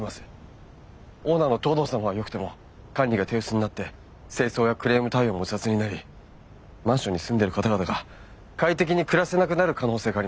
オーナーの藤堂さんはよくても管理が手薄になって清掃やクレーム対応も雑になりマンションに住んでる方々が快適に暮らせなくなる可能性があります。